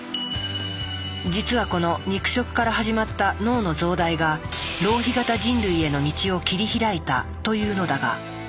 実はこの肉食から始まった脳の増大が浪費型人類への道を切り開いたというのだが。